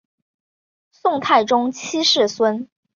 宋太宗七世孙。